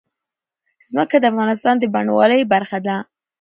ځمکه د افغانستان د بڼوالۍ برخه ده.